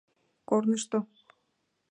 КОРНЫШТО